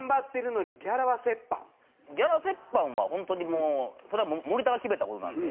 ギャラ折半は本当にもうそれは森田が決めた事なので。